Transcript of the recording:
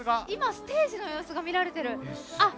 ステージの様子が見られている。